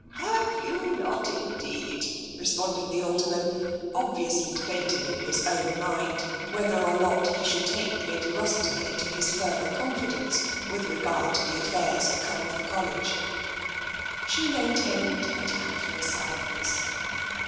Have you not, indeed! " responded the Alderman, obviously debating in his own mind whether or not he should take Lady Rossiter into his further confidence with regard to the affairs of Culmouth College. She maintained a tactful silence.